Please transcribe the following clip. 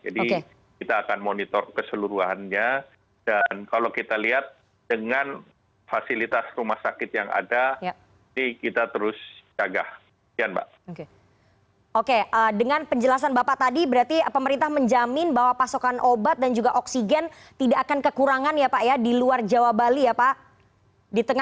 jadi kita akan monitor keseluruhannya dan kalau kita lihat dengan fasilitas rumah sakit yang ada ini kita terus jaga